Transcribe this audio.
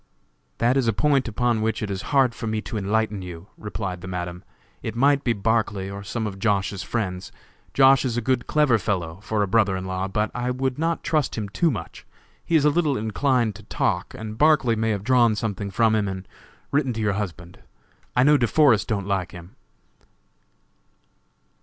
"That is a point upon which it is hard for me to enlighten you," replied the Madam; "it might be Barclay or some of Josh.'s friends. Josh. is a good clever fellow, for a brother in law, but I would not trust him too much; he is a little inclined to talk, and Barclay may have drawn something from him and written to your husband; I know De Forest don't like him."